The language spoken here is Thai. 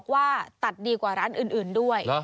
ว่าตัดดีกว่าร้านอื่นด้วย